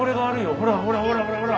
ほらほらほらほらほら。